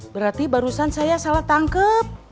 berarti barusan saya salah tangkep